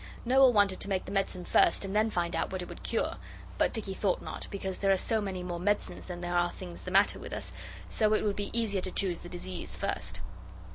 Noel wanted to make the medicine first and then find out what it would cure, but Dicky thought not, because there are so many more medicines than there are things the matter with us, so it would be easier to choose the disease first.